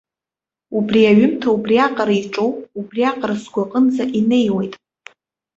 Убри аҩымҭа убриаҟара иҿоуп, убриаҟара сгәы аҟынӡа инеиуеит.